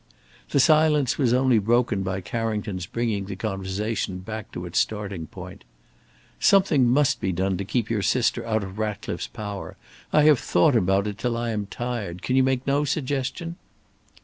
The silence was only broken by Carrington's bringing the conversation back to its starting point: "Something must be done to keep your sister out of Ratcliffe's power. I have thought about it till I am tired. Can you make no suggestion?"